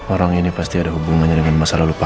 orang ini pasti ada hubungannya dengan masa lalu pak